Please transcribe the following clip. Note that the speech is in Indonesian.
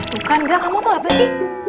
bukan gak kamu tuh gak berhenti